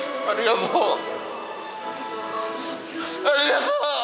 ありがとう！